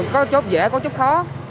có chốt dễ có chốt khó